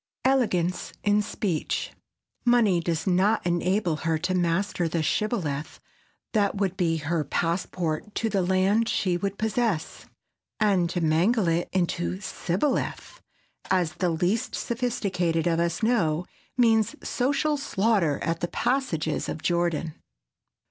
[Sidenote: ELEGANCE IN SPEECH] Money does not enable her to master the "shibboleth" that would be her passport to the land she would possess. And to mangle it into "sibboleth"—as the least sophisticated of us know—means social slaughter at the passages of Jordan.